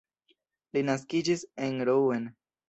Li naskiĝis en Rouen.